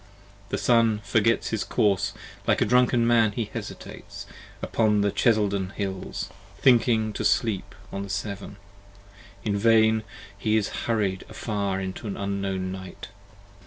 The Sun forgets his course, like a drunken man he hesitates, 75 Upon the Cheselden hills, thinking to sleep on the Severn. In vain: he is hurried afar into an unknown Night.